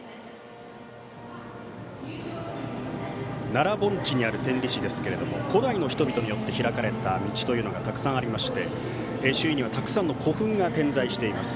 奈良盆地にある天理市ですが古代の人々によって開かれた道がたくさんありまして周囲にはたくさんの古墳が点在しています。